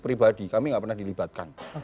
pribadi kami nggak pernah dilibatkan